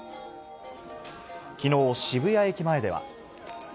きのう、渋谷駅前では。